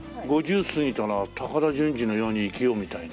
「５０過ぎたら高田純次のように生きよう」みたいな。